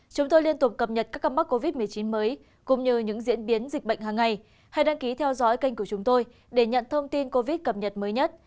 các bạn hãy đăng ký kênh của chúng tôi để nhận thông tin cập nhật mới nhất